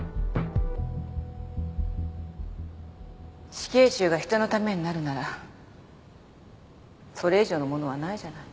死刑囚が人のためになるならそれ以上のものはないじゃない。